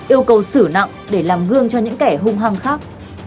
yêu cầu xử nặng để làm gương cho những kẻ hung hăng khác